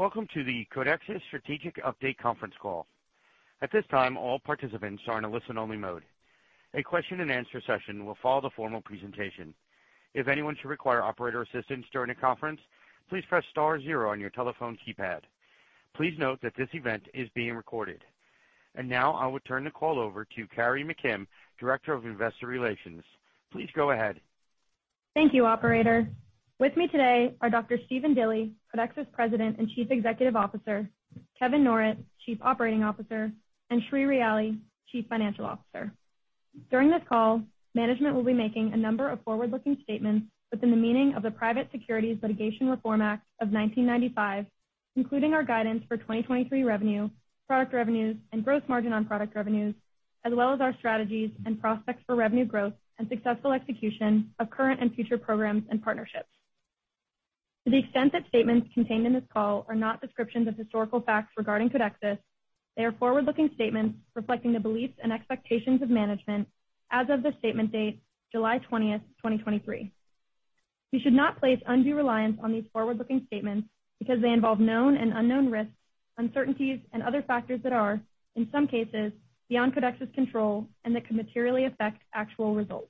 Welcome to the Codexis Strategic Update Conference Call. At this time, all participants are in a listen-only mode. A question-and-answer session will follow the formal presentation. If anyone should require operator assistance during the conference, please press star zero on your telephone keypad. Please note that this event is being recorded. Now, I will turn the call over to Carrie McKim, Director of Investor Relations. Please go ahead. Thank you, operator. With me today are Dr. Stephen Dilly, Codexis President and Chief Executive Officer, Kevin Norrett, Chief Operating Officer, and Sri Ryali, Chief Financial Officer. During this call, management will be making a number of forward-looking statements within the meaning of the Private Securities Litigation Reform Act of 1995, including our guidance for 2023 revenue, product revenues, and growth margin on product revenues, as well as our strategies and prospects for revenue growth and successful execution of current and future programs and partnerships. To the extent that statements contained in this call are not descriptions of historical facts regarding Codexis, they are forward-looking statements reflecting the beliefs and expectations of management as of this statement date, July 20th, 2023. You should not place undue reliance on these forward-looking statements because they involve known and unknown risks, uncertainties, and other factors that are, in some cases, beyond Codexis control and that could materially affect actual results.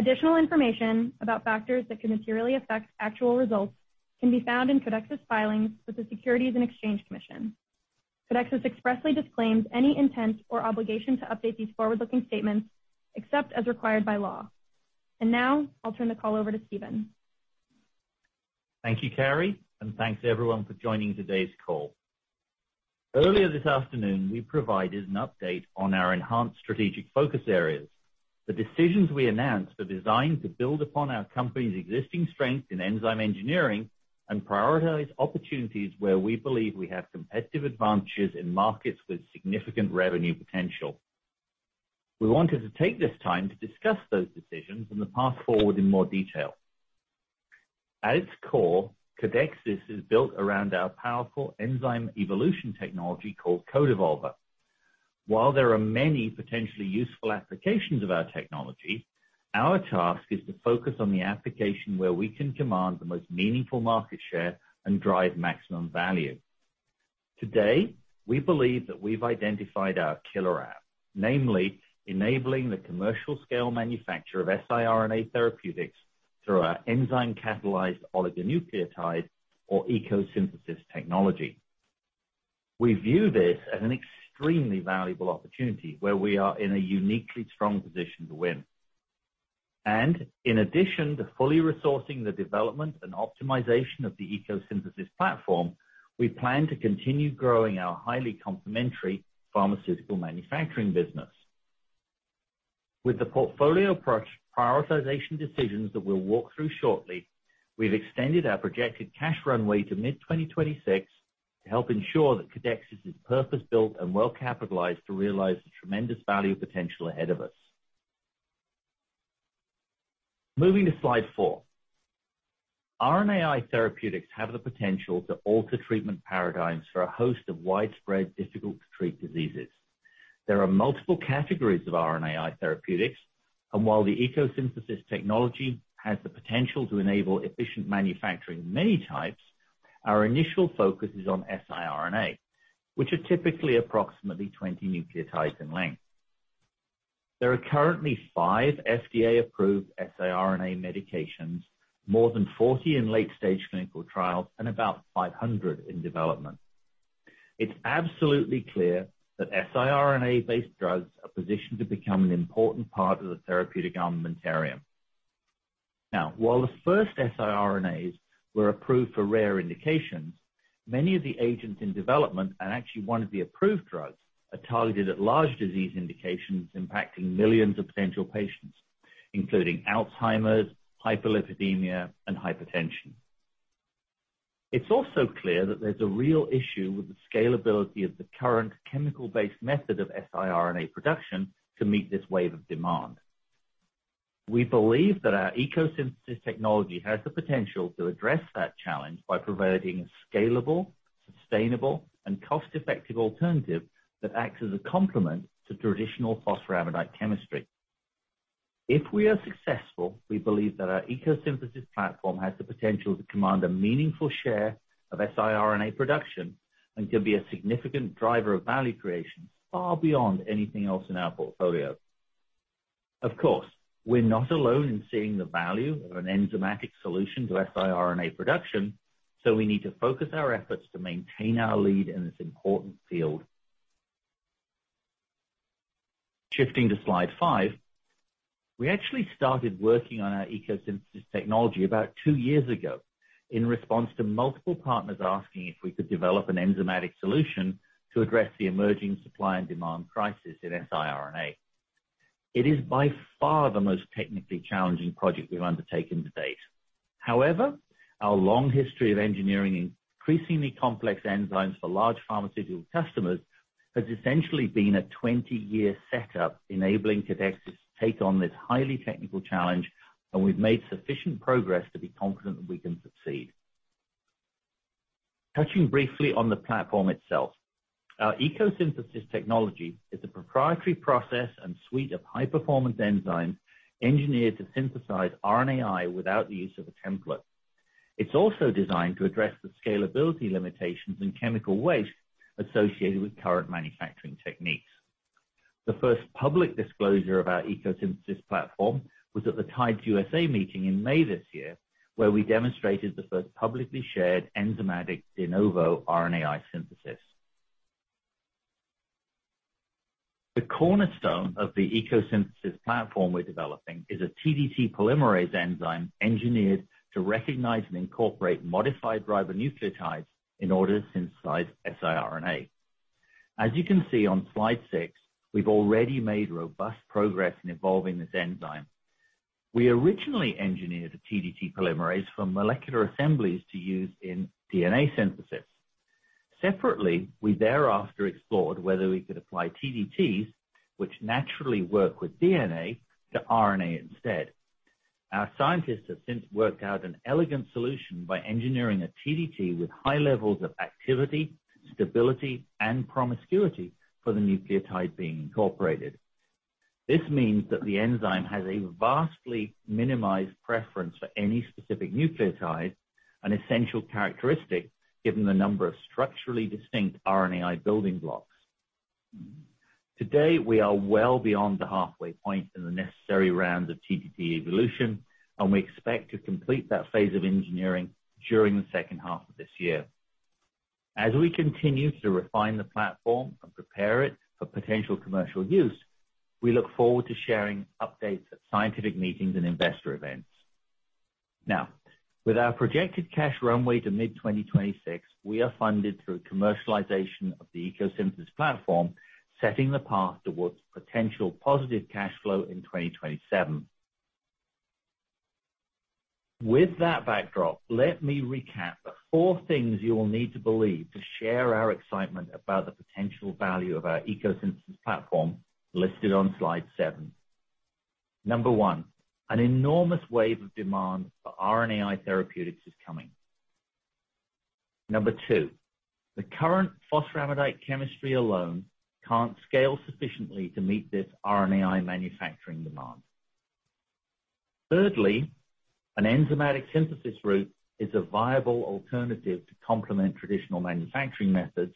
Additional information about factors that could materially affect actual results can be found in Codexis' filings with the Securities and Exchange Commission. Codexis expressly disclaims any intent or obligation to update these forward-looking statements, except as required by law. Now, I'll turn the call over to Stephen. Thank you, Carrie, and thanks, everyone, for joining today's call. Earlier this afternoon, we provided an update on our enhanced strategic focus areas. The decisions we announced are designed to build upon our company's existing strength in enzyme engineering and prioritize opportunities where we believe we have competitive advantages in markets with significant revenue potential. We wanted to take this time to discuss those decisions and the path forward in more detail. At its core, Codexis is built around our powerful enzyme evolution technology called CodeEvolver. While there are many potentially useful applications of our technology, our task is to focus on the application where we can command the most meaningful market share and drive maximum value. Today, we believe that we've identified our killer app, namely, enabling the commercial scale manufacture of siRNA therapeutics through our enzyme catalyzed oligonucleotide or ECO Synthesis technology. We view this as an extremely valuable opportunity, where we are in a uniquely strong position to win. In addition to fully resourcing the development and optimization of the ECO Synthesis platform, we plan to continue growing our highly complementary pharmaceutical manufacturing business. With the portfolio approach prioritization decisions that we'll walk through shortly, we've extended our projected cash runway to mid-2026 to help ensure that Codexis is purpose-built and well-capitalized to realize the tremendous value potential ahead of us. Moving to slide four. RNAi therapeutics have the potential to alter treatment paradigms for a host of widespread, difficult-to-treat diseases. There are multiple categories of RNAi therapeutics, and while the ECO Synthesis technology has the potential to enable efficient manufacturing in many types, our initial focus is on siRNA, which are typically approximately 20 nucleotides in length. There are currently five FDA-approved siRNA medications, more than 40 in late-stage clinical trials and about 500 in development. It's absolutely clear that siRNA-based drugs are positioned to become an important part of the therapeutic armamentarium. While the first siRNAs were approved for rare indications, many of the agents in development, and actually one of the approved drugs, are targeted at large disease indications impacting millions of potential patients, including Alzheimer's, hyperlipidemia, and hypertension. It's also clear that there's a real issue with the scalability of the current chemical-based method of siRNA production to meet this wave of demand. We believe that our ECO Synthesis technology has the potential to address that challenge by providing a scalable, sustainable, and cost-effective alternative that acts as a complement to traditional phosphoramidite chemistry. If we are successful, we believe that our ECO Synthesis platform has the potential to command a meaningful share of siRNA production and can be a significant driver of value creation, far beyond anything else in our portfolio. Of course, we're not alone in seeing the value of an enzymatic solution to siRNA production, so we need to focus our efforts to maintain our lead in this important field. Shifting to slide five, we actually started working on our ECO Synthesis technology about two years ago in response to multiple partners asking if we could develop an enzymatic solution to address the emerging supply and demand crisis in siRNA. It is by far the most technically challenging project we've undertaken to date. However, our long history of engineering increasingly complex enzymes for large pharmaceutical customers has essentially been a 20-year setup, enabling Codexis to take on this highly technical challenge, and we've made sufficient progress to be confident that we can succeed. Touching briefly on the platform itself. Our ECO Synthesis technology is a proprietary process and suite of high-performance enzymes engineered to synthesize RNAi without the use of a template. It's also designed to address the scalability limitations and chemical waste associated with current manufacturing techniques. The first public disclosure of our ECO Synthesis platform was at the TIDES USA meeting in May this year, where we demonstrated the first publicly shared enzymatic de novo RNAi synthesis. The cornerstone of the ECO Synthesis platform we're developing is a TdT polymerase enzyme engineered to recognize and incorporate modified ribonucleotides in order to synthesize siRNA. As you can see on slide six, we've already made robust progress in evolving this enzyme. We originally engineered a TdT polymerase from Molecular Assemblies to use in DNA synthesis. Separately, we thereafter explored whether we could apply TdT, which naturally work with DNA, to RNA instead. Our scientists have since worked out an elegant solution by engineering a TdT with high levels of activity, stability, and promiscuity for the nucleotide being incorporated. This means that the enzyme has a vastly minimized preference for any specific nucleotide, an essential characteristic, given the number of structurally distinct RNAi building blocks. Today, we are well beyond the halfway point in the necessary rounds of TdT evolution. We expect to complete that phase of engineering during the second half of this year. As we continue to refine the platform and prepare it for potential commercial use, we look forward to sharing updates at scientific meetings and investor events. With our projected cash runway to mid-2026, we are funded through commercialization of the ECO Synthesis platform, setting the path towards potential positive cash flow in 2027. With that backdrop, let me recap the four things you will need to believe to share our excitement about the potential value of our ECO Synthesis platform, listed on slide seven. Number one, an enormous wave of demand for RNAi therapeutics is coming. Number two, the current phosphoramidite chemistry alone can't scale sufficiently to meet this RNAi manufacturing demand. Thirdly, an enzymatic synthesis route is a viable alternative to complement traditional manufacturing methods.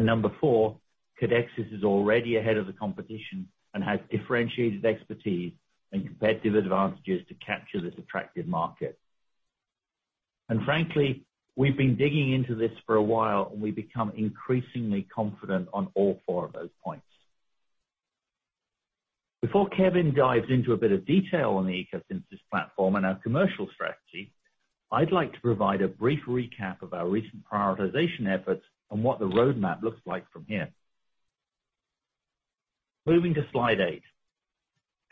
Number four, Codexis is already ahead of the competition and has differentiated expertise and competitive advantages to capture this attractive market. Frankly, we've been digging into this for a while, and we've become increasingly confident on all four of those points. Before Kevin dives into a bit of detail on the ECO Synthesis platform and our commercial strategy, I'd like to provide a brief recap of our recent prioritization efforts and what the roadmap looks like from here. Moving to slide eight.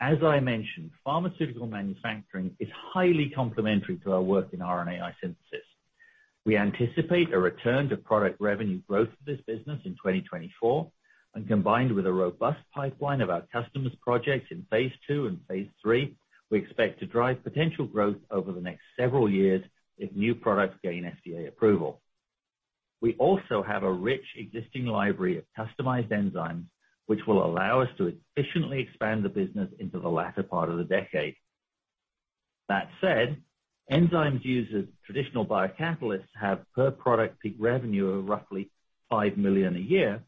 As I mentioned, pharmaceutical manufacturing is highly complementary to our work in RNAi synthesis. We anticipate a return to product revenue growth of this business in 2024, combined with a robust pipeline of our customers' projects in phase II and phase III, we expect to drive potential growth over the next several years if new products gain FDA approval. We also have a rich existing library of customized enzymes, which will allow us to efficiently expand the business into the latter part of the decade. That said, enzymes used as traditional biocatalysts have per-product peak revenue of roughly $5 million a year,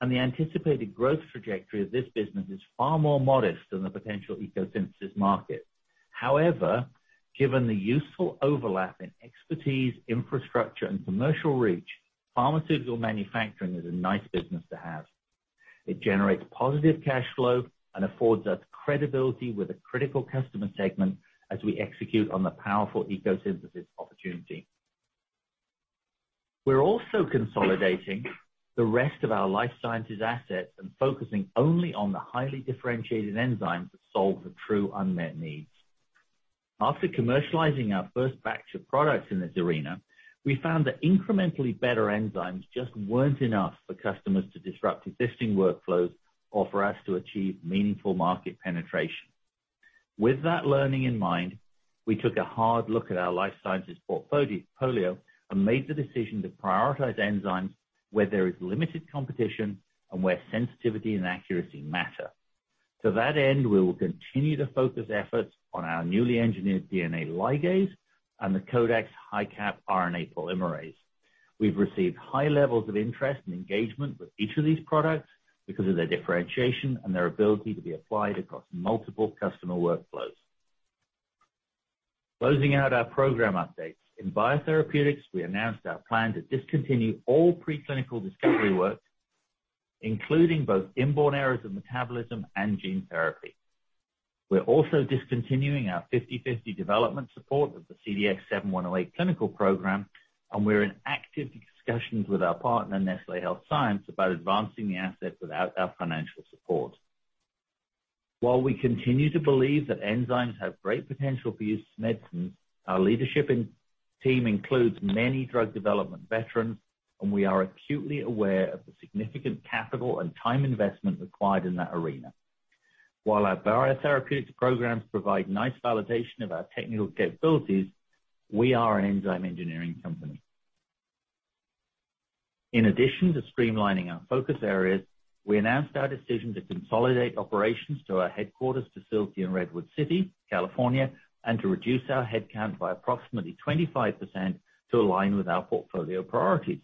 and the anticipated growth trajectory of this business is far more modest than the potential ECO Synthesis market. However, given the useful overlap in expertise, infrastructure, and commercial reach, pharmaceutical manufacturing is a nice business to have. It generates positive cash flow and affords us credibility with a critical customer segment as we execute on the powerful ECO Synthesis opportunity. We're also consolidating the rest of our life sciences assets and focusing only on the highly differentiated enzymes that solve the true unmet needs. After commercializing our first batch of products in this arena, we found that incrementally better enzymes just weren't enough for customers to disrupt existing workflows or for us to achieve meaningful market penetration. With that learning in mind, we took a hard look at our life sciences portfolio and made the decision to prioritize enzymes where there is limited competition and where sensitivity and accuracy matter. We will continue to focus efforts on our newly engineered DNA ligase and the Codex HiCap RNA Polymerase. We've received high levels of interest and engagement with each of these products because of their differentiation and their ability to be applied across multiple customer workflows. Closing out our program updates. In biotherapeutics, we announced our plan to discontinue all preclinical discovery work, including both inborn errors of metabolism and gene therapy. We're also discontinuing our 50/50 development support of the CDX-7108 clinical program, and we're in active discussions with our partner, Nestlé Health Science, about advancing the asset without our financial support. While we continue to believe that enzymes have great potential for use in medicines, our leadership team includes many drug development veterans, and we are acutely aware of the significant capital and time investment required in that arena. While our biotherapeutics programs provide nice validation of our technical capabilities, we are an enzyme engineering company. In addition to streamlining our focus areas, we announced our decision to consolidate operations to our headquarters facility in Redwood City, California, and to reduce our headcount by approximately 25% to align with our portfolio priorities.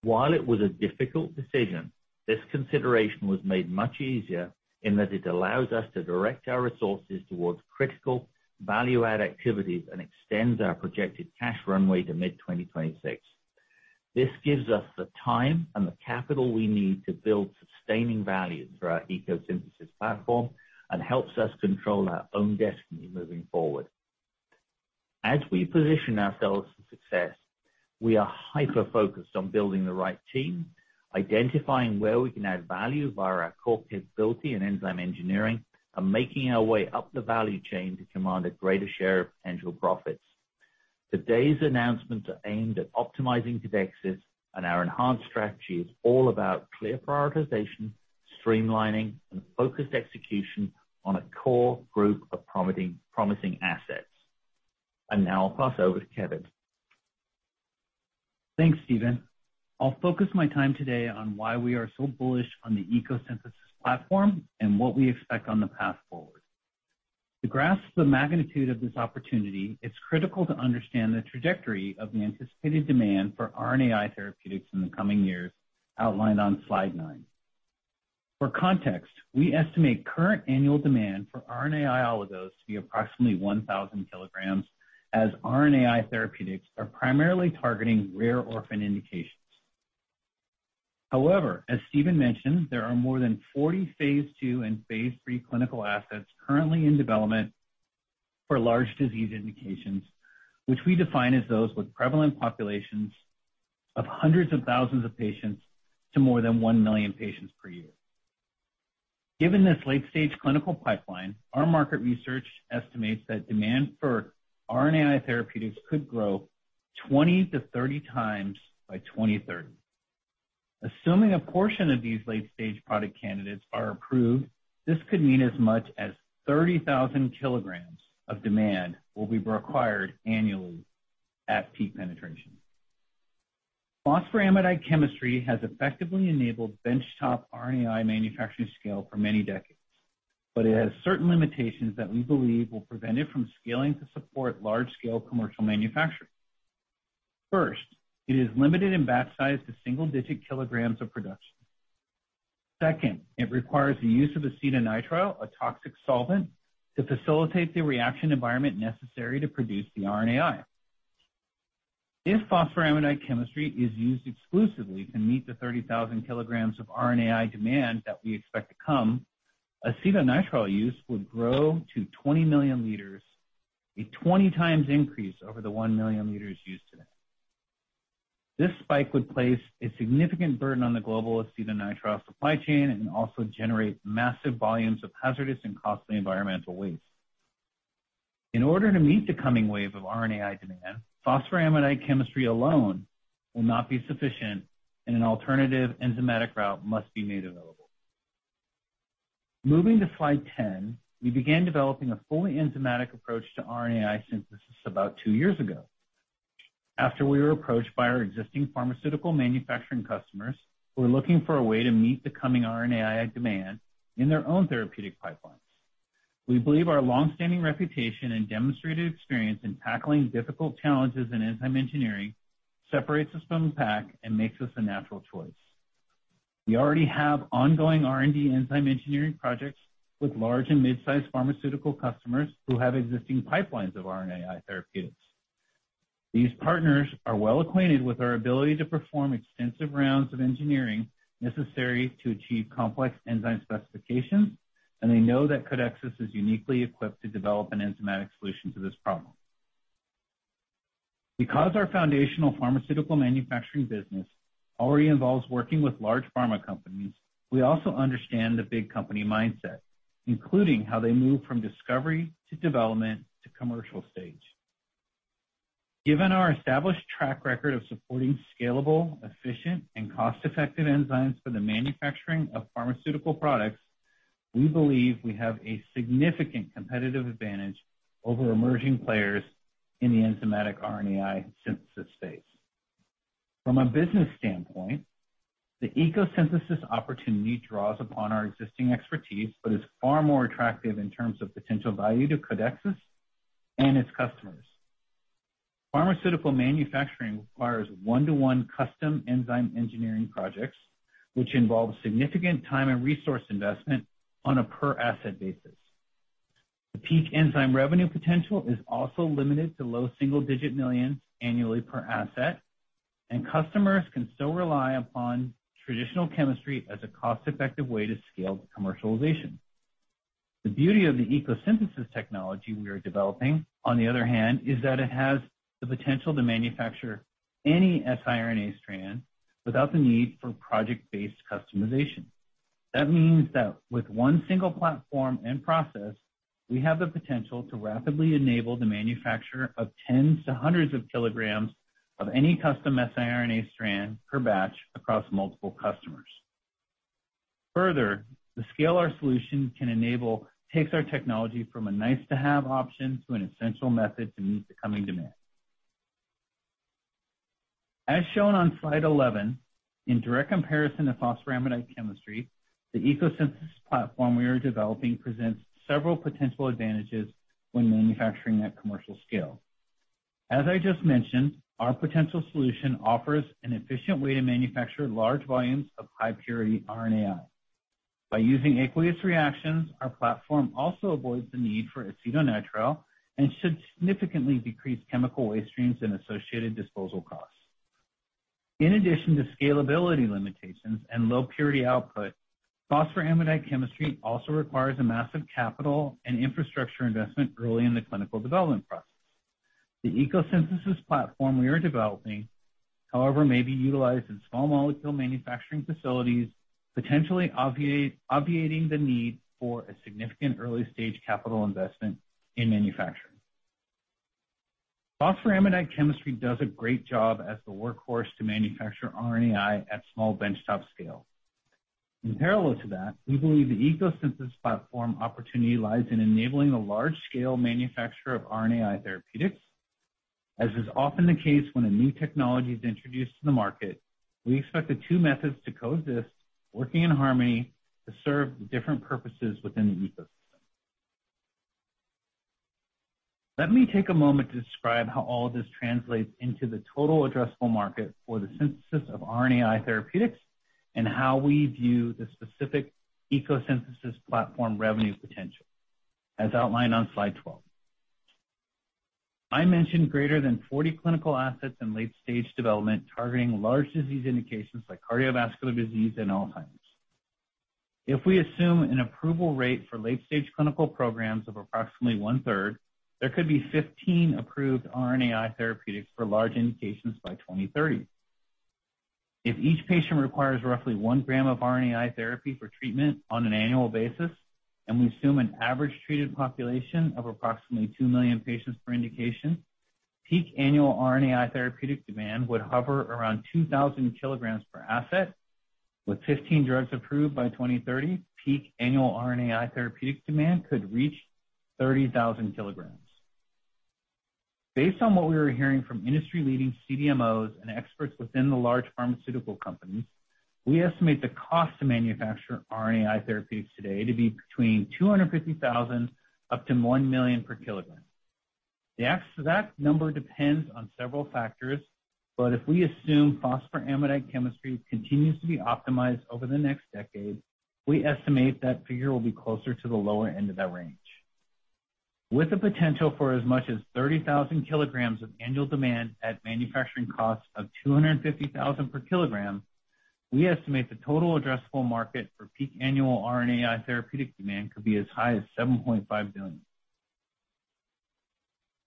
While it was a difficult decision, this consideration was made much easier in that it allows us to direct our resources towards critical value-add activities and extends our projected cash runway to mid-2026. This gives us the time and the capital we need to build sustaining value through our ECO Synthesis platform and helps us control our own destiny moving forward. As we position ourselves for success, we are hyper-focused on building the right team, identifying where we can add value via our core capability in enzyme engineering, and making our way up the value chain to command a greater share of potential profits. Today's announcements are aimed at optimizing Codexis, and our enhanced strategy is all about clear prioritization, streamlining, and focused execution on a core group of promising assets. Now I'll pass over to Kevin. Thanks, Stephen. I'll focus my time today on why we are so bullish on the ECO Synthesis platform and what we expect on the path forward. To grasp the magnitude of this opportunity, it's critical to understand the trajectory of the anticipated demand for RNAi therapeutics in the coming years, outlined on slide nine. For context, we estimate current annual demand for RNAi oligos to be approximately 1,000 kg, as RNAi therapeutics are primarily targeting rare orphan indications. However, as Stephen mentioned, there are more than 40 phase II and phase III clinical assets currently in development for large disease indications, which we define as those with prevalent populations of hundreds of thousands of patients to more than one million patients per year. Given this late-stage clinical pipeline, our market research estimates that demand for RNAi therapeutics could grow 20 to 30 times by 2030. Assuming a portion of these late-stage product candidates are approved, this could mean as much as 30,000 kilograms of demand will be required annually at peak penetration. Phosphoramidite chemistry has effectively enabled bench-top RNAi manufacturing scale for many decades, but it has certain limitations that we believe will prevent it from scaling to support large-scale commercial manufacturing. First, it is limited in batch size to single-digit kilograms of production. Second, it requires the use of acetonitrile, a toxic solvent, to facilitate the reaction environment necessary to produce the RNAi. If phosphoramidite chemistry is used exclusively to meet the 30,000 kg of RNAi demand that we expect to come, acetonitrile use would grow to 20 million L, a 20 times increase over the one million liters used today. This spike would place a significant burden on the global acetonitrile supply chain and also generate massive volumes of hazardous and costly environmental waste. In order to meet the coming wave of RNAi demand, phosphoramidite chemistry alone will not be sufficient, and an alternative enzymatic route must be made available. Moving to slide 10, we began developing a fully enzymatic approach to RNAi synthesis about two years ago, after we were approached by our existing pharmaceutical manufacturing customers, who were looking for a way to meet the coming RNAi demand in their own therapeutic pipelines. We believe our long-standing reputation and demonstrated experience in tackling difficult challenges in enzyme engineering separates us from the pack and makes us a natural choice. We already have ongoing R&D enzyme engineering projects with large and mid-sized pharmaceutical customers who have existing pipelines of RNAi therapeutics. These partners are well acquainted with our ability to perform extensive rounds of engineering necessary to achieve complex enzyme specifications, and they know that Codexis is uniquely equipped to develop an enzymatic solution to this problem. Because our foundational pharmaceutical manufacturing business already involves working with large pharma companies, we also understand the big company mindset, including how they move from discovery, to development, to commercial stage. Given our established track record of supporting scalable, efficient, and cost-effective enzymes for the manufacturing of pharmaceutical products, we believe we have a significant competitive advantage over emerging players in the enzymatic RNAi synthesis space. From a business standpoint, the ECO Synthesis opportunity draws upon our existing expertise, but is far more attractive in terms of potential value to Codexis and its customers. Pharmaceutical manufacturing requires one-to-one custom enzyme engineering projects, which involve significant time and resource investment on a per asset basis. The peak enzyme revenue potential is also limited to low single-digit millions annually per asset, and customers can still rely upon traditional chemistry as a cost-effective way to scale to commercialization. The beauty of the ECO Synthesis technology we are developing, on the other hand, is that it has the potential to manufacture any siRNA strand without the need for project-based customization. That means that with one single platform and process, we have the potential to rapidly enable the manufacture of tens to hundreds of kg of any custom siRNA strand per batch across multiple customers. Further, the scale our solution can enable takes our technology from a nice-to-have option to an essential method to meet the coming demand. As shown on slide 11, in direct comparison to phosphoramidite chemistry, the ECO Synthesis platform we are developing presents several potential advantages when manufacturing at commercial scale. As I just mentioned, our potential solution offers an efficient way to manufacture large volumes of high-purity RNAi. By using aqueous reactions, our platform also avoids the need for acetonitrile and should significantly decrease chemical waste streams and associated disposal costs. In addition to scalability limitations and low purity output, phosphoramidite chemistry also requires a massive capital and infrastructure investment early in the clinical development process. The ECO Synthesis platform we are developing, however, may be utilized in small molecule manufacturing facilities, potentially obviating the need for a significant early-stage capital investment in manufacturing. Phosphoramidite chemistry does a great job as the workhorse to manufacture RNAi at small bench-top scale. In parallel to that, we believe the ECO Synthesis platform opportunity lies in enabling the large-scale manufacture of RNAi therapeutics. As is often the case when a new technology is introduced to the market, we expect the two methods to coexist, working in harmony to serve different purposes within the ecosystem. Let me take a moment to describe how all of this translates into the total addressable market for the synthesis of RNAi therapeutics, and how we view the specific ECO Synthesis platform revenue potential, as outlined on slide 12. I mentioned greater than 40 clinical assets in late-stage development, targeting large disease indications like cardiovascular disease and Alzheimer's. If we assume an approval rate for late-stage clinical programs of approximately 1/3, there could be 15 approved RNAi therapeutics for large indications by 2030. If each patient requires roughly one gram of RNAi therapy for treatment on an annual basis, and we assume an average treated population of approximately two million patients per indication, peak annual RNAi therapeutic demand would hover around 2,000 kilograms per asset, with 15 drugs approved by 2030, peak annual RNAi therapeutic demand could reach 30,000 kilograms. Based on what we are hearing from industry-leading CDMOs and experts within the large pharmaceutical companies, we estimate the cost to manufacture RNAi therapeutics today to be between $250,000 up to $1 million per kilogram. The exact number depends on several factors, but if we assume phosphoramidite chemistry continues to be optimized over the next decade, we estimate that figure will be closer to the lower end of that range. With the potential for as much as 30,000 kilograms of annual demand at manufacturing costs of $250,000 per kilogram, we estimate the total addressable market for peak annual RNAi therapeutic demand could be as high as $7.5 billion.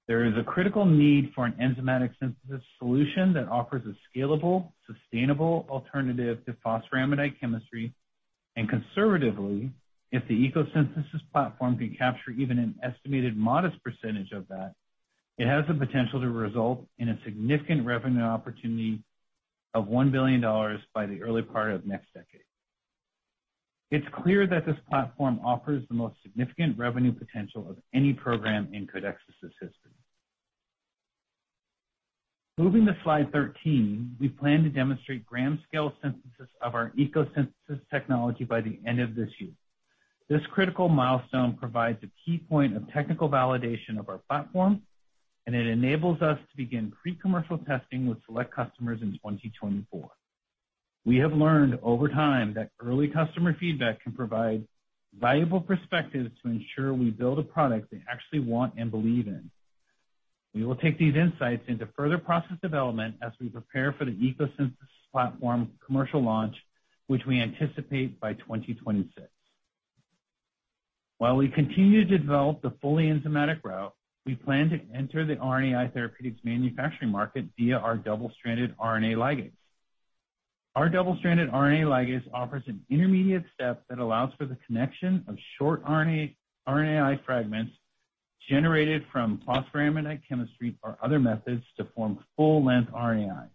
There is a critical need for an enzymatic synthesis solution that offers a scalable, sustainable alternative to phosphoramidite chemistry. Conservatively, if the ECO Synthesis platform can capture even an estimated modest percentage of that, it has the potential to result in a significant revenue opportunity of $1 billion by the early part of next decade. It's clear that this platform offers the most significant revenue potential of any program in Codexis' history. Moving to slide 13, we plan to demonstrate gram-scale synthesis of our ECO Synthesis technology by the end of this year. This critical milestone provides a key point of technical validation of our platform. It enables us to begin pre-commercial testing with select customers in 2024. We have learned over time that early customer feedback can provide valuable perspectives to ensure we build a product they actually want and believe in. We will take these insights into further process development as we prepare for the ECO Synthesis platform commercial launch, which we anticipate by 2026. While we continue to develop the fully enzymatic route, we plan to enter the RNAi therapeutics manufacturing market via our double-stranded RNA ligase. Our double-stranded RNA ligase offers an intermediate step that allows for the connection of short RNA, RNAi fragments generated from phosphoramidite chemistry or other methods to form full-length RNAis.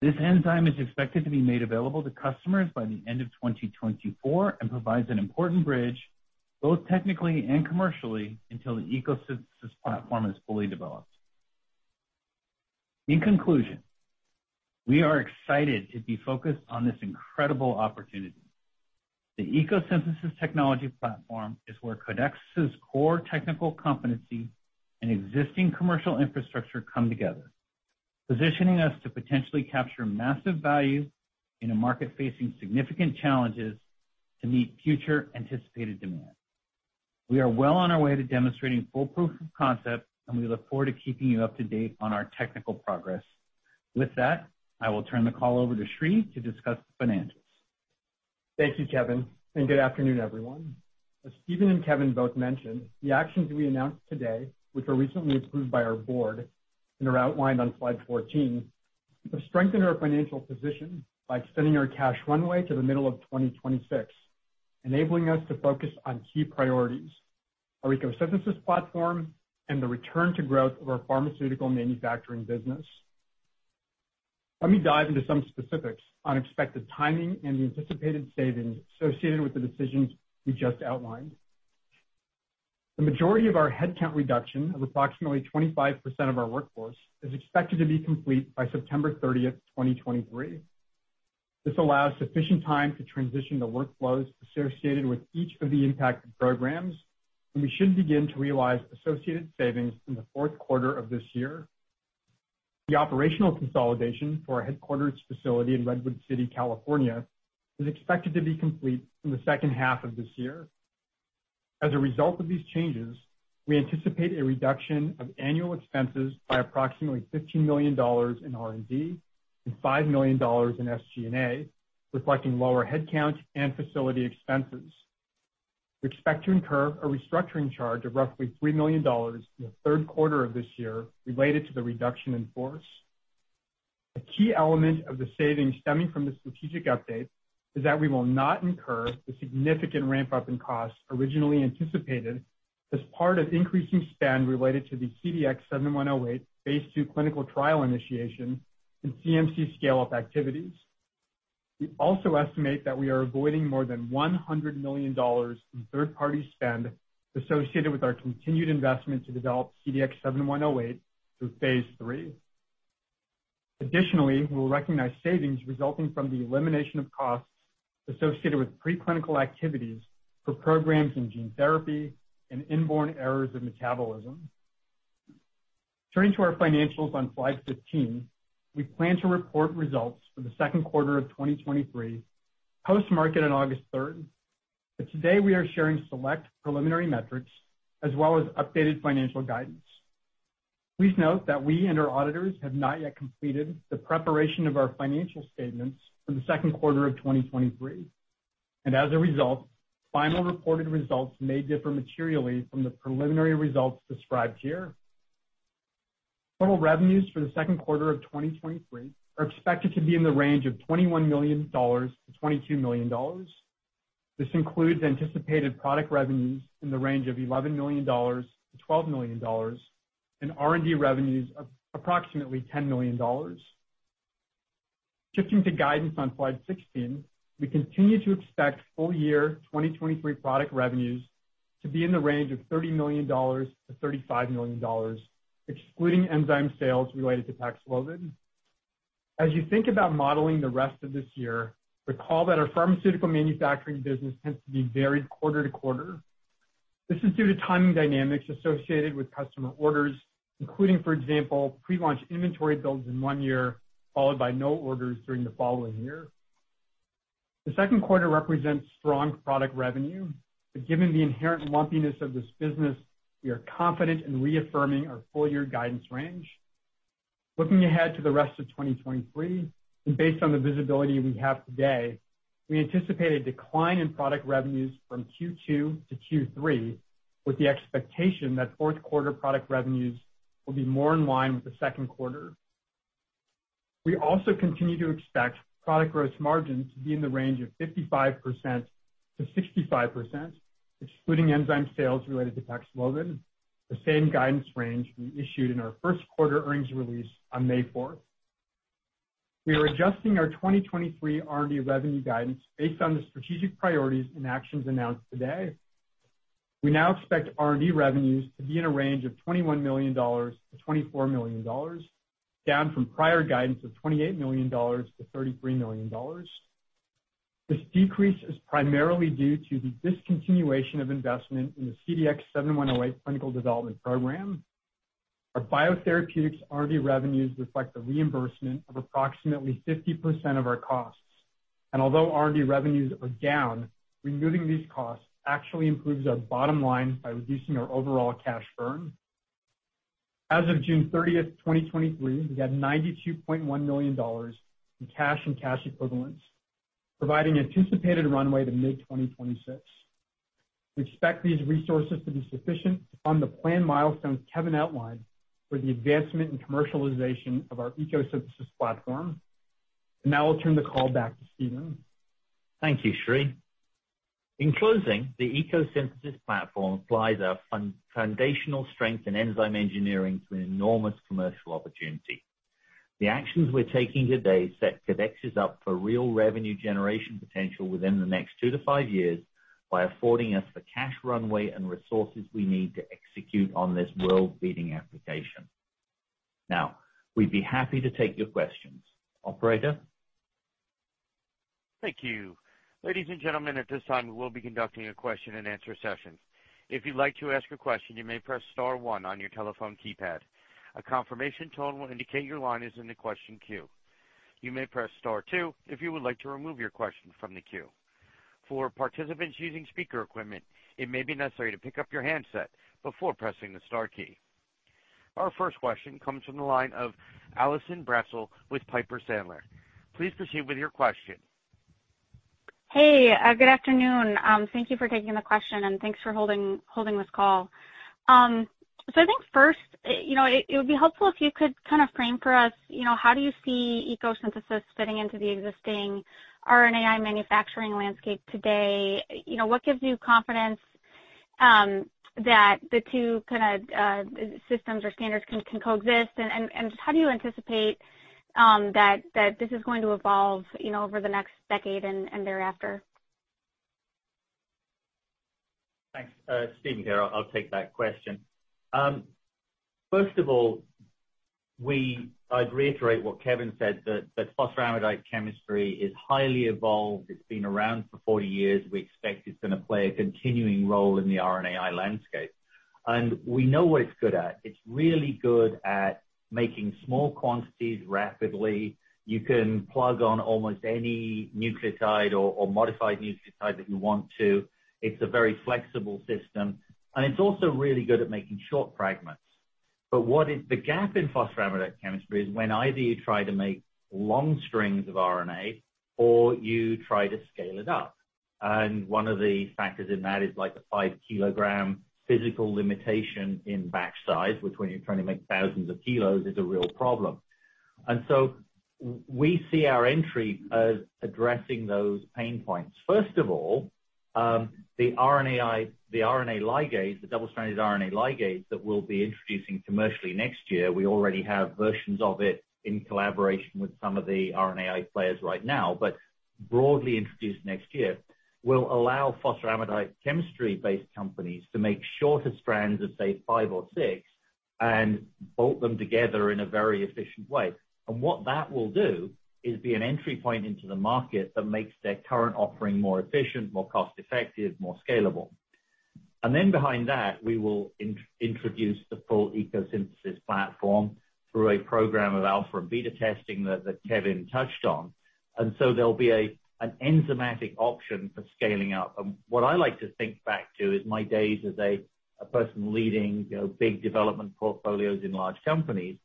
This enzyme is expected to be made available to customers by the end of 2024 and provides an important bridge, both technically and commercially, until the ECO Synthesis platform is fully developed. In conclusion, we are excited to be focused on this incredible opportunity. The ECO Synthesis technology platform is where Codexis' core technical competency and existing commercial infrastructure come together, positioning us to potentially capture massive value in a market facing significant challenges to meet future anticipated demand. We are well on our way to demonstrating full proof of concept, and we look forward to keeping you up to date on our technical progress. With that, I will turn the call over to Sri to discuss the financials. Thank you, Kevin. Good afternoon, everyone. As Stephen and Kevin both mentioned, the actions we announced today, which were recently approved by our board and are outlined on slide 14, will strengthen our financial position by extending our cash runway to the middle of 2026, enabling us to focus on key priorities. Our ecosystems platform, and the return to growth of our pharmaceutical manufacturing business. Let me dive into some specifics on expected timing and the anticipated savings associated with the decisions we just outlined. The majority of our headcount reduction of approximately 25% of our workforce is expected to be complete by September 30th, 2023. This allows sufficient time to transition the workflows associated with each of the impacted programs, and we should begin to realize associated savings in the fourth quarter of this year. The operational consolidation for our headquarters facility in Redwood City, California, is expected to be complete in the second half of this year. As a result of these changes, we anticipate a reduction of annual expenses by approximately $15 million in R&D and $5 million in SG&A, reflecting lower headcounts and facility expenses. We expect to incur a restructuring charge of roughly $3 million in the third quarter of this year related to the reduction in force. A key element of the savings stemming from the strategic update is that we will not incur the significant ramp-up in costs originally anticipated as part of increasing spend related to the CDX-7108 phase III clinical trial initiation and CMC scale-up activities. We also estimate that we are avoiding more than $100 million in third-party spend associated with our continued investment to develop CDX-7108 through phase III. We'll recognize savings resulting from the elimination of costs associated with preclinical activities for programs in gene therapy and inborn errors of metabolism. Turning to our financials on slide 15, we plan to report results for the second quarter of 2023, post-market on August 3rd. Today, we are sharing select preliminary metrics as well as updated financial guidance. Please note that we and our auditors have not yet completed the preparation of our financial statements for the second quarter of 2023. As a result, final reported results may differ materially from the preliminary results described here. Total revenues for the second quarter of 2023 are expected to be in the range of $21 million to $22 million. This includes anticipated product revenues in the range of $11 million to $12 million and R&D revenues of approximately $10 million. Shifting to guidance on slide 16, we continue to expect full year 2023 product revenues to be in the range of $30 million to $35 million, excluding enzyme sales related to Paxlovid. As you think about modeling the rest of this year, recall that our pharmaceutical manufacturing business tends to be varied quarter to quarter. This is due to timing dynamics associated with customer orders, including, for example, pre-launch inventory builds in one year, followed by no orders during the following year. The second quarter represents strong product revenue, given the inherent lumpiness of this business, we are confident in reaffirming our full-year guidance range. Looking ahead to the rest of 2023, based on the visibility we have today, we anticipate a decline in product revenues from Q2 to Q3, with the expectation that fourth quarter product revenues will be more in line with the second quarter. We also continue to expect product gross margin to be in the range of 55% to 65%, excluding enzyme sales related to Paxlovid, the same guidance range we issued in our first quarter earnings release on May 4th. We are adjusting our 2023 R&D revenue guidance based on the strategic priorities and actions announced today. We now expect R&D revenues to be in a range of $21 million to $24 million, down from prior guidance of $28 million to $33 million. This decrease is primarily due to the discontinuation of investment in the CDX-7108 clinical development program. Our biotherapeutics R&D revenues reflect a reimbursement of approximately 50% of our costs, and although R&D revenues are down, removing these costs actually improves our bottom line by reducing our overall cash burn. As of June 30th, 2023, we had $92.1 million in cash and cash equivalents, providing anticipated runway to mid-2026. We expect these resources to be sufficient to fund the planned milestones Kevin outlined for the advancement and commercialization of our ECO Synthesis platform. I'll turn the call back to Stephen. Thank you, Sri. In closing, the foundational strength and enzyme engineering to an enormous commercial opportunity. The actions we're taking today set Codexis's up for real revenue generation potential within the next two to five years by affording us the cash runway and resources we need to execute on this world-leading application. We'd be happy to take your questions. Operator? Thank you. Ladies and gentlemen, at this time, we will be conducting a question-and-answer session. If you'd like to ask a question, you may press star one on your telephone keypad. A confirmation tone will indicate your line is in the question queue. You may press star two if you would like to remove your question from the queue. For participants using speaker equipment, it may be necessary to pick up your handset before pressing the star key. Our first question comes from the line of Allison Bratzel with Piper Sandler. Please proceed with your question. Hey, good afternoon. Thank you for taking the question, and thanks for holding this call. I think first, you know, it would be helpful if you could kind of frame for us, you know, how do you see ECO Synthesis fitting into the existing RNAi manufacturing landscape today? You know, what gives you confidence that the two kind of systems or standards can coexist? How do you anticipate that this is going to evolve, you know, over the next decade and thereafter? Thanks. Stephen here. I'll take that question. First of all, I'd reiterate what Kevin said, that phosphoramidite chemistry is highly evolved. It's been around for 40 years. We expect it's going to play a continuing role in the RNAi landscape. We know what it's good at. It's really good at making small quantities rapidly. You can plug on almost any nucleotide or modified nucleotide that you want to. It's a very flexible system, it's also really good at making short fragments. The gap in phosphoramidite chemistry is when either you try to make long strings of RNA or you try to scale it up, and one of the factors in that is, like, a five kg physical limitation in batch size, which when you're trying to make thousands of kilos, is a real problem. We see our entry as addressing those pain points. First of all, the RNAi, the RNA ligase, the double-stranded RNA ligase that we'll be introducing commercially next year, we already have versions of it in collaboration with some of the RNAi players right now, but broadly introduced next year, will allow phosphoramidite chemistry-based companies to make shorter strands of, say, five or six, and bolt them together in a very efficient way. What that will do is be an entry point into the market that makes their current offering more efficient, more cost effective, more scalable. Behind that, we will introduce the full ECO Synthesis platform through a program of alpha and beta testing that Kevin touched on. There'll be an enzymatic option for scaling up. What I like to think back to is my days as a person leading, you know, big development portfolios in large companies.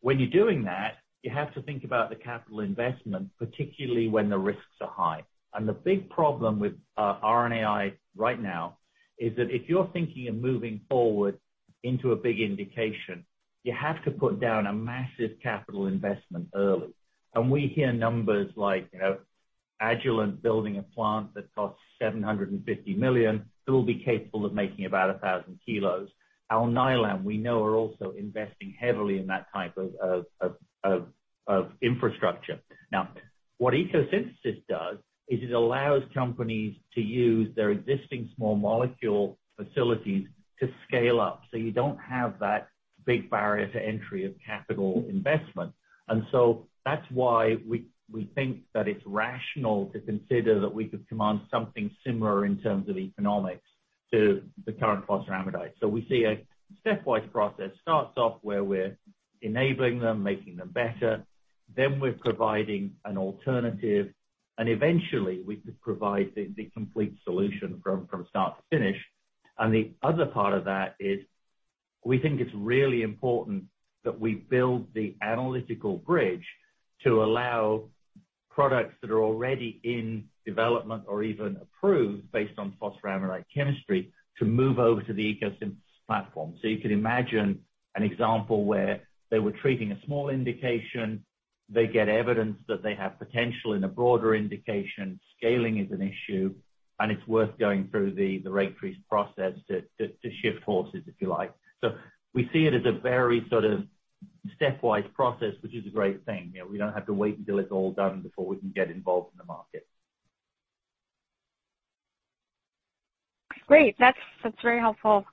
When you're doing that, you have to think about the capital investment, particularly when the risks are high. The big problem with RNAi right now is that if you're thinking of moving forward into a big indication, you have to put down a massive capital investment early. We hear numbers like, you know, Agilent building a plant that costs $750 million, that will be capable of making about 1,000 kilos. Alnylam, we know, are also investing heavily in that type of infrastructure. Now, what ECO Synthesis does is it allows companies to use their existing small molecule facilities to scale up, so you don't have that big barrier to entry of capital investment. That's why we think that it's rational to consider that we could command something similar in terms of economics to the current phosphoramidite. We see a stepwise process. Starts off where we're enabling them, making them better, then we're providing an alternative, and eventually, we could provide the complete solution from start to finish. The other part of that is, we think it's really important that we build the analytical bridge to allow products that are already in development or even approved based on phosphoramidite chemistry, to move over to the ECO Synthesis platform. You could imagine an example where they were treating a small indication, they get evidence that they have potential in a broader indication, scaling is an issue, and it's worth going through the Rate Freeze process to shift horses, if you like. We see it as a very sort of stepwise process, which is a great thing. You know, we don't have to wait until it's all done before we can get involved in the market. Great! That's very helpful.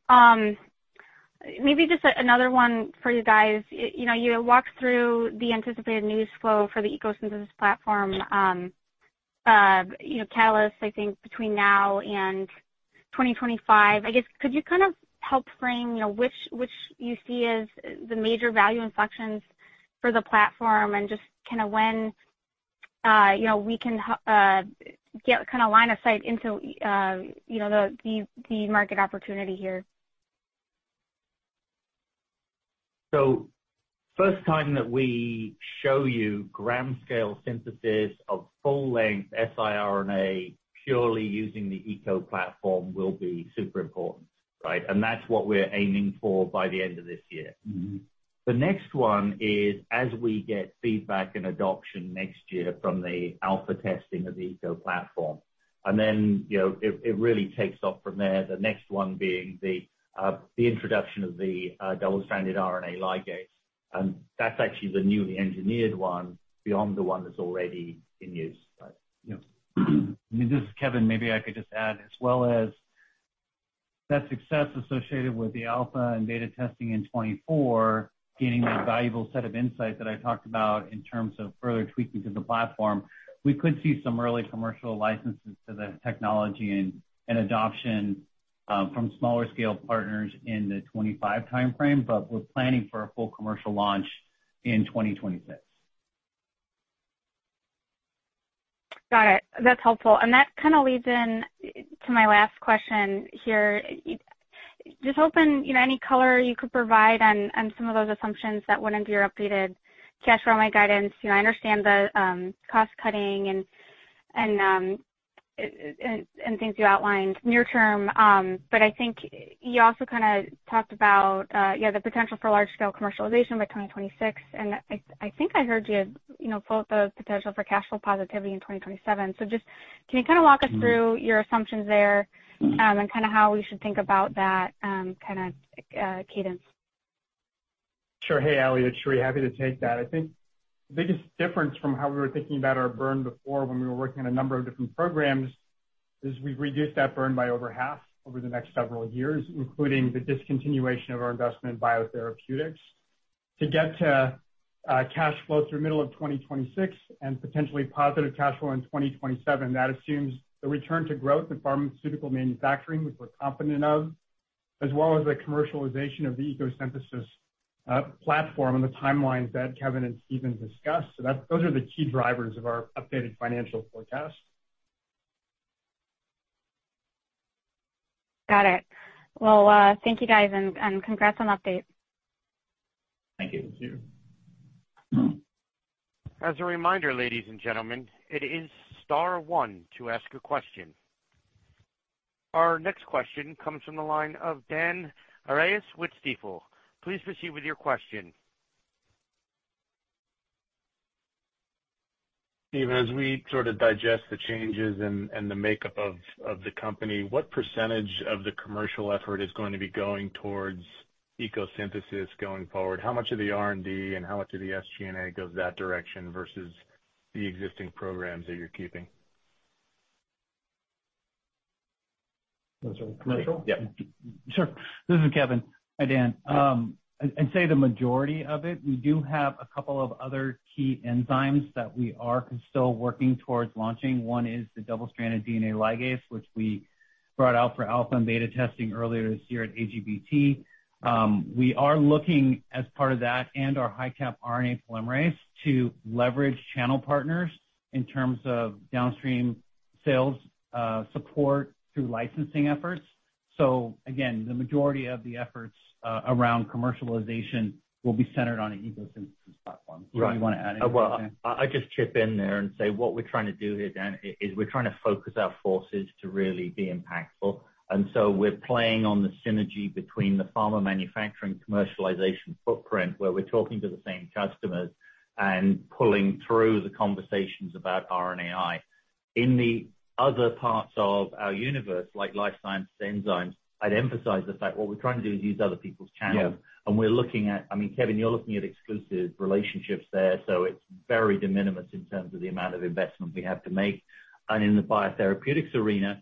Maybe just another one for you guys. You know, you walked through the anticipated news flow for the ECO Synthesis platform, you know, catalyst, I think between now and 2025. I guess, could you kind of help frame, you know, which you see as the major value inflections for the platform, and just kinda when, you know, we can get kind of line of sight into, you know, the market opportunity here? First time that we show you gram scale synthesis of full length siRNA, purely using the ECO platform, will be super important, right? That's what we're aiming for by the end of this year. Mm-hmm. The next one is as we get feedback and adoption next year from the alpha testing of the ECO platform, and then, you know, it really takes off from there, the next one being the introduction of the double-stranded RNA ligase, and that's actually the newly engineered one beyond the one that's already in use. Right. Yeah. This is Kevin. Maybe I could just add, as well as that success associated with the alpha and beta testing in 2024, gaining that valuable set of insights that I talked about in terms of further tweaking to the platform, we could see some early commercial licenses to the technology and adoption from smaller scale partners in the 2025 timeframe, but we're planning for a full commercial launch in 2026. Got it. That's helpful, and that kind of leads into my last question here. Just hoping, you know, any color you could provide on some of those assumptions that went into your updated cash flow guidance. You know, I understand the cost cutting and things you outlined near term. I think you also kind of talked about, yeah, the potential for large scale commercialization by 2026, and I think I heard you know, quote the potential for cash flow positivity in 2027. Just, can you kind of walk us through your assumptions there, and kind of how we should think about that cadence? Sure. Hey, Alli, it's Sri. Happy to take that. I think the biggest difference from how we were thinking about our burn before, when we were working on a number of different programs, is we've reduced that burn by over half over the next several years, including the discontinuation of our investment in biotherapeutics. To get to cash flow through middle of 2026 and potentially positive cash flow in 2027, that assumes the return to growth in pharmaceutical manufacturing, which we're confident of, as well as the commercialization of the ECO Synthesis platform and the timelines that Kevin and Stephen discussed. Those are the key drivers of our updated financial forecast. Got it. Well, thank you, guys, and congrats on the update. Thank you. Thank you. As a reminder, ladies and gentlemen, it is star one to ask a question. Our next question comes from the line of Dan Arias with Stifel. Please proceed with your question. Even as we sort of digest the changes and the makeup of the company, what % of the commercial effort is going to be going towards ECO Synthesis going forward? How much of the R&D and how much of the SG&A goes that direction versus the existing programs that you're keeping? Those are commercial? Yeah. Sure. This is Kevin. Hi, Dan. I'd say the majority of it, we do have a couple of other key enzymes that we are still working towards launching. One is the double-stranded DNA ligase, which we brought out for alpha and beta testing earlier this year at AGBT. We are looking as part of that and our Codex HiCap RNA Polymerase, to leverage channel partners in terms of downstream sales, support through licensing efforts. Again, the majority of the efforts, around commercialization will be centered on ECO Synthesis platform. Do you want to add anything? Well, I just chip in there and say what we're trying to do here, Dan, is we're trying to focus our forces to really be impactful. We're playing on the synergy between the pharma manufacturing commercialization footprint, where we're talking to the same customers and pulling through the conversations about RNAi. In the other parts of our universe, like life science enzymes, I'd emphasize the fact that what we're trying to do is use other people's channels. Yeah. I mean, Kevin, you're looking at exclusive relationships there, so it's very de minimis in terms of the amount of investment we have to make. In the biotherapeutics arena,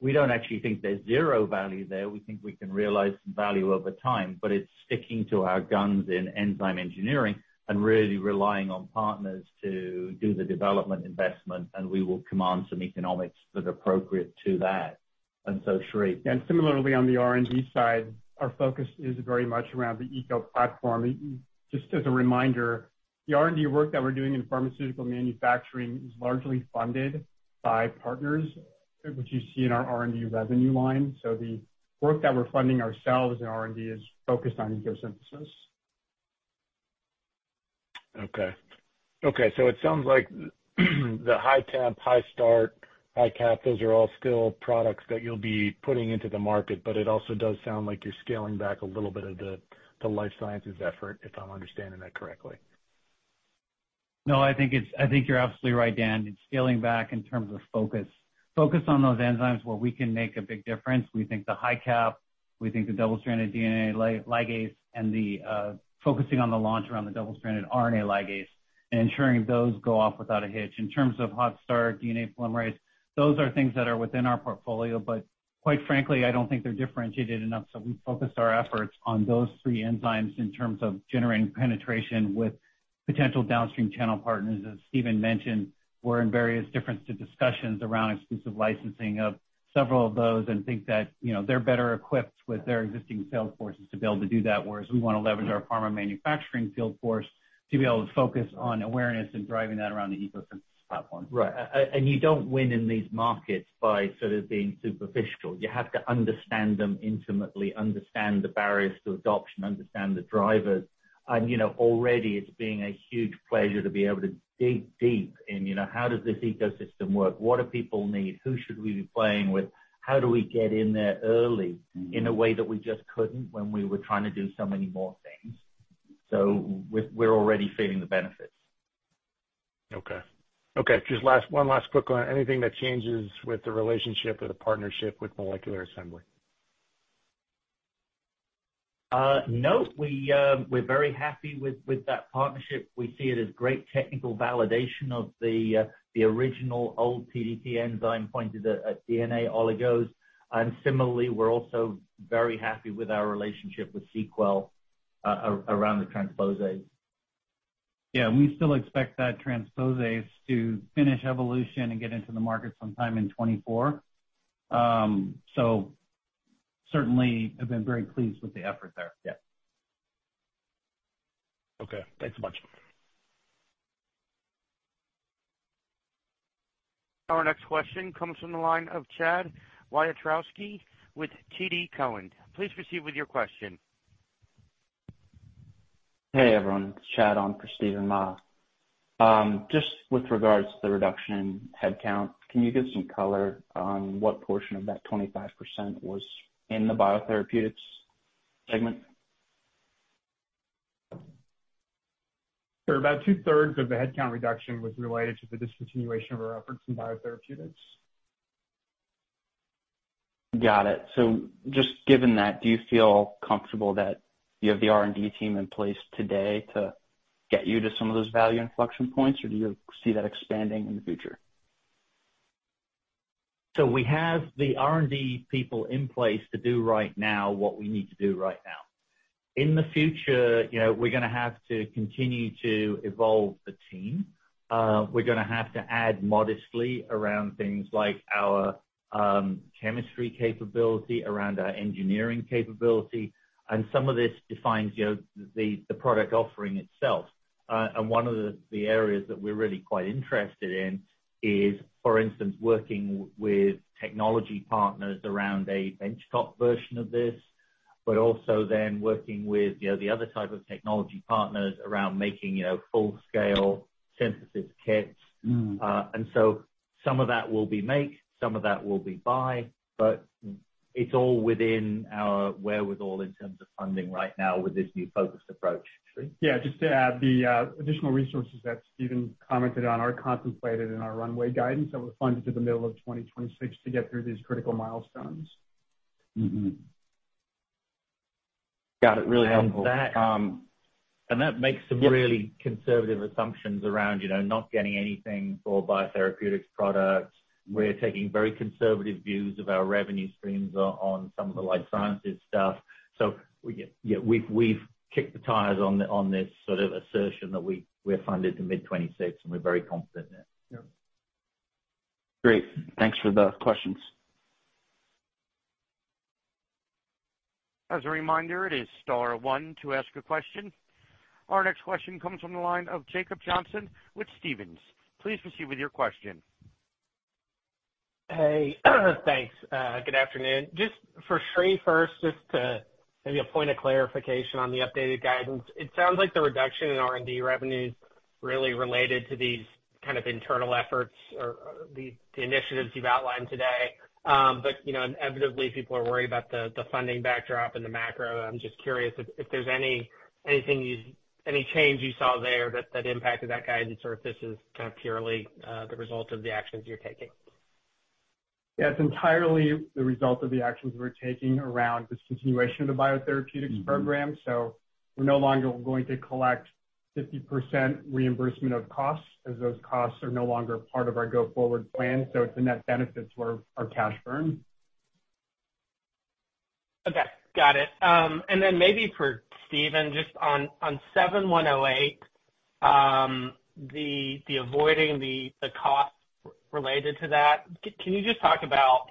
we don't actually think there's zero value there. We think we can realize some value over time, but it's sticking to our guns in enzyme engineering and really relying on partners to do the development investment. We will command some economics that are appropriate to that. So, Sri. Similarly, on the R&D side, our focus is very much around the ECO platform. Just as a reminder, the R&D work that we're doing in pharmaceutical manufacturing is largely funded by partners, which you see in our R&D revenue line. The work that we're funding ourselves in R&D is focused on ECO Synthesis. Okay. Okay, it sounds like the high temp, hot start, HiCap, those are all still products that you'll be putting into the market. It also does sound like you're scaling back a little bit of the life sciences effort, if I'm understanding that correctly? I think you're absolutely right, Dan. It's scaling back in terms of focus. Focus on those enzymes where we can make a big difference. We think the HiCap, we think the double-stranded DNA ligase and the focusing on the launch around the double-stranded RNA ligase and ensuring those go off without a hitch. In terms of hot start DNA polymerase, those are things that are within our portfolio, quite frankly, I don't think they're differentiated enough. We focused our efforts on those three enzymes in terms of generating penetration with potential downstream channel partners. As Steven mentioned, we're in various different discussions around exclusive licensing of several of those, and think that, you know, they're better equipped with their existing sales forces to be able to do that, whereas we want to leverage our pharma manufacturing field force to be able to focus on awareness and driving that around the ECO Synthesis platform. Right. You don't win in these markets by sort of being superficial. You have to understand them intimately, understand the barriers to adoption, understand the drivers. You know, already it's been a huge pleasure to be able to dig deep in, you know, how does this ecosystem work? What do people need? Who should we be playing with? How do we get in there early, in a way that we just couldn't when we were trying to do so many more things? We're already feeling the benefits. Okay, just one last quick one. Anything that changes with the relationship or the partnership with Molecular Assemblies? No, we're very happy with that partnership. We see it as great technical validation of the original old PDP enzyme pointed at DNA oligos. Similarly, we're also very happy with our relationship with seqWell, around the transposase. Yeah, we still expect that transposase to finish evolution and get into the market sometime in 2024. Certainly I've been very pleased with the effort there. Yeah. Okay, thanks a bunch. Our next question comes from the line of Chad Wiatrowski with TD Cowen. Please proceed with your question. Hey, everyone. Chad on for Steven Mah. Just with regards to the reduction in headcount, can you give some color on what portion of that 25% was in the biotherapeutics segment? Sure. About two-thirds of the headcount reduction was related to the discontinuation of our efforts in biotherapeutics. Got it. Just given that, do you feel comfortable that you have the R&D team in place today to get you to some of those value inflection points, or do you see that expanding in the future? We have the R&D people in place to do right now what we need to do right now. In the future, you know, we're gonna have to continue to evolve the team. We're gonna have to add modestly around things like our chemistry capability, around our engineering capability, and some of this defines, you know, the product offering itself. And one of the areas that we're really quite interested in is, for instance, working with technology partners around a benchtop version of this, but also then working with, you know, the other type of technology partners around making, you know, full-scale synthesis kits. Mm. Some of that will be make, some of that will be buy, but it's all within our wherewithal in terms of funding right now with this new focused approach. Sri? Just to add, the additional resources that Stephen commented on are contemplated in our runway guidance, and we're funded to the middle of 2026 to get through these critical milestones. Mm-hmm. Got it. Really helpful. That, and that. Some really conservative assumptions around, you know, not getting anything for biotherapeutics products. We're taking very conservative views of our revenue streams on some of the life sciences stuff. We've kicked the tires on this sort of assertion that we're funded to mid 2026, and we're very confident in it. Yeah. Great. Thanks for the questions. As a reminder, it is star one to ask a question. Our next question comes from the line of Jacob Johnson with Stephens. Please proceed with your question. Thanks. Good afternoon. Just for Sri first, just to maybe a point of clarification on the updated guidance. It sounds like the reduction in R&D revenue's really related to these kind of internal efforts or the initiatives you've outlined today. You know, inevitably, people are worried about the funding backdrop and the macro. I'm just curious if there's any change you saw there that impacted that guidance, or if this is kind of purely the result of the actions you're taking? It's entirely the result of the actions we're taking around discontinuation of the biotherapeutics program. We're no longer going to collect 50% reimbursement of costs, as those costs are no longer part of our go-forward plan, so it's a net benefit to our cash burn. Okay, got it. Then maybe for Stephen, just on CDX-7108, the avoiding the cost related to that, can you just talk about,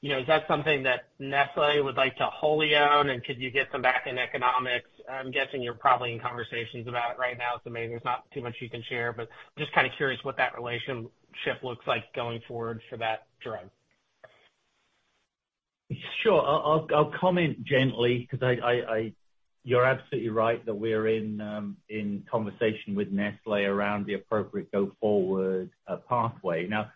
you know, is that something that Nestlé would like to wholly own, and could you get some back-end economics? I'm guessing you're probably in conversations about it right now, so maybe there's not too much you can share, but just kind of curious what that relationship looks like going forward for that drug. Sure. I'll comment gently, 'cause you're absolutely right that we're in conversation with Nestlé around the appropriate go-forward pathway. Now,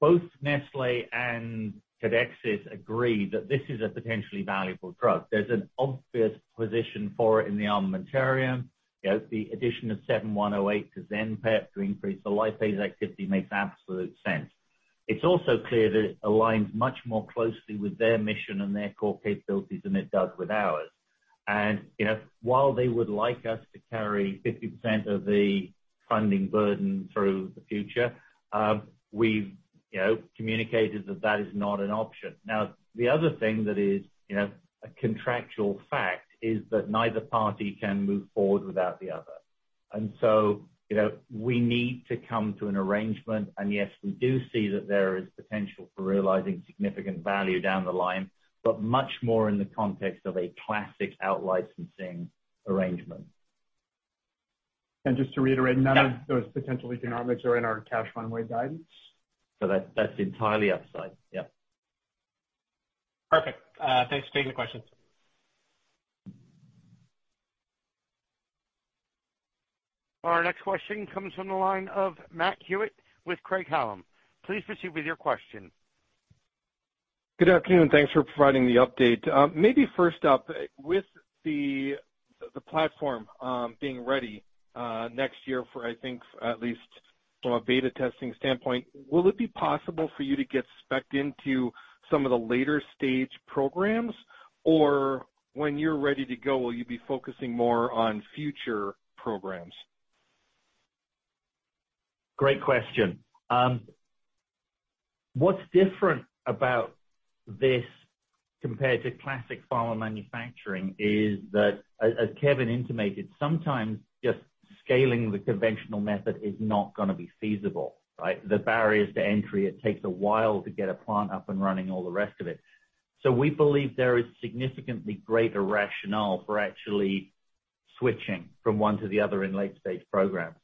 both Nestlé and Codexis agree that this is a potentially valuable drug. There's an obvious position for it in the armamentarium. You know, the addition of CDX-7108 to ZENPEP to increase the lipase activity makes absolute sense. It's also clear that it aligns much more closely with their mission and their core capabilities than it does with ours. You know, while they would like us to carry 50% of the funding burden through the future, we've, you know, communicated that that is not an option. The other thing that is, you know, a contractual fact is that neither party can move forward without the other, and so, you know, we need to come to an arrangement. Yes, we do see that there is potential for realizing significant value down the line, but much more in the context of a classic out-licensing arrangement. And just to reiterate. Yeah None of those potential economics are in our cash runway guidance. That's entirely upside. Yeah. Perfect. Thanks for taking the question. Our next question comes from the line of Matt Hewitt with Craig-Hallum. Please proceed with your question. Good afternoon, thanks for providing the update. Maybe first up, with the platform, being ready, next year for, I think, at least from a beta testing standpoint, will it be possible for you to get spec'd into some of the later stage programs? When you're ready to go, will you be focusing more on future programs? Great question. What's different about this compared to classic pharma manufacturing is that, as Kevin intimated, sometimes just scaling the conventional method is not gonna be feasible, right? The barriers to entry, it takes a while to get a plant up and running, all the rest of it. We believe there is significantly greater rationale for actually switching from one to the other in late stage programs.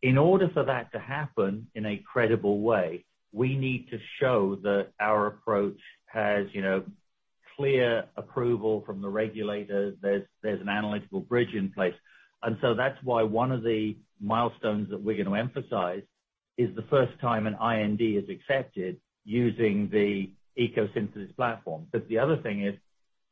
In order for that to happen in a credible way, we need to show that our approach has, you know, clear approval from the regulators, there's an analytical bridge in place. That's why one of the milestones that we're gonna emphasize is the first time an IND is accepted using the ECO Synthesis platform. The other thing is,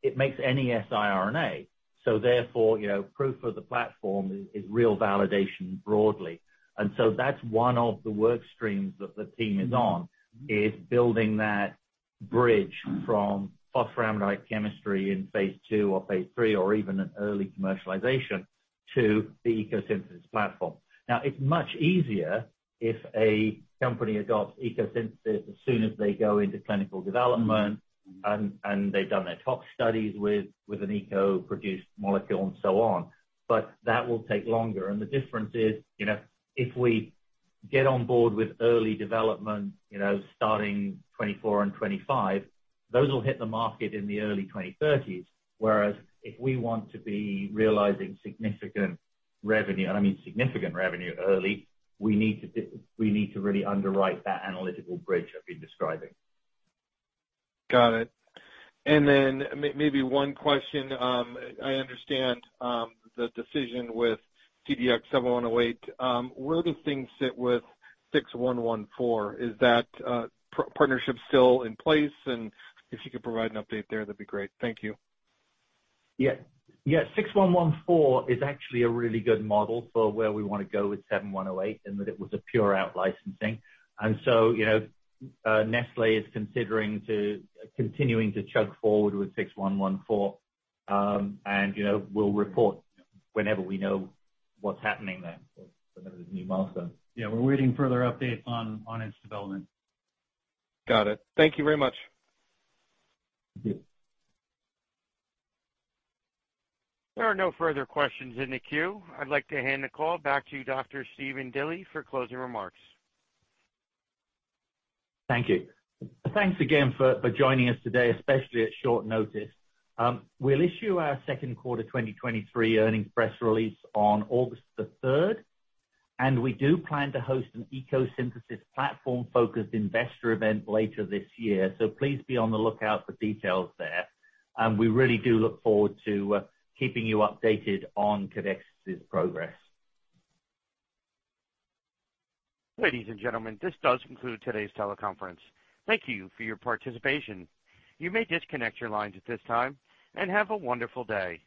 it makes any siRNA, so therefore, you know, proof of the platform is real validation broadly. That's one of the work streams that the team is on, is building that bridge from phosphoramidite chemistry in phase II or phase III, or even in early commercialization, to the ECO Synthesis platform. Now, it's much easier if a company adopts ECO Synthesis as soon as they go into clinical development, and they've done their top studies with an eco-produced molecule, and so on. That will take longer, and the difference is, you know, if we get on board with early development, you know, starting 2024 and 2025, those will hit the market in the early 2030s. Whereas if we want to be realizing significant revenue, and I mean significant revenue early, we need to really underwrite that analytical bridge I've been describing. Got it. Then maybe one question. I understand the decision with CDX-7108. Where do things sit with CDX-6114? Is that partnership still in place? If you could provide an update there, that'd be great. Thank you. Yeah. Yeah, CDX-6114 is actually a really good model for where we wanna go with CDX-7108, in that it was a pure out-licensing. You know, Nestlé is continuing to chug forward with CDX-6114. And, you know, we'll report whenever we know what's happening there, whenever the new milestone. Yeah, we're waiting further updates on its development. Got it. Thank you very much. Thank you. There are no further questions in the queue. I'd like to hand the call back to you, Dr. Stephen Dilly, for closing remarks. Thank you. Thanks again for joining us today, especially at short notice. We'll issue our second quarter 2023 earnings press release on August 3rd. We do plan to host an ECO Synthesis platform-focused investor event later this year. Please be on the lookout for details there. We really do look forward to keeping you updated on Codexis's progress. Ladies and gentlemen, this does conclude today's teleconference. Thank you for your participation. You may disconnect your lines at this time, and have a wonderful day.